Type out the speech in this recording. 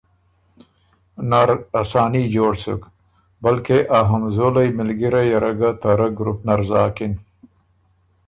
نر اساني جوړ سُک بلکې ا همزولئ مِلګِرئ یه ره ګۀ ته رۀ ګروپ نر زاکِن۔